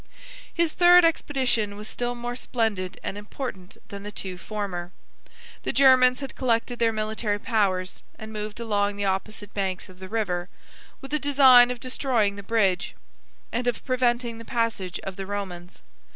His third expedition was still more splendid and important than the two former. The Germans had collected their military powers, and moved along the opposite banks of the river, with a design of destroying the bridge, and of preventing the passage of the Romans.